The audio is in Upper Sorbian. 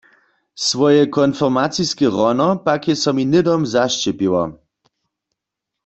Swoje konfirmaciske hrono pak je so mi hnydom zašćěpiło.